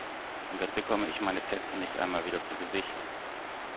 Und dann bekomme ich meine Sätze nicht einmal wieder zu Gesicht!